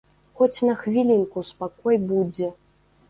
Хоць на хвілінку спакой будзе.